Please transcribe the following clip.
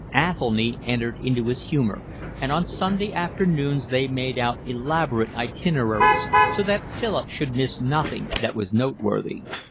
Athelny entered into his humour, and on Sunday afternoons they made out elaborate itineraries so that Philip should miss nothing that was noteworthy.